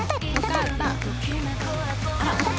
あら？